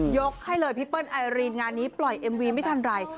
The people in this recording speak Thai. ยกให้เลยพี่เปิ้ลไอรีนงานนี้ปล่อยเอ็มวีไม่ทันไร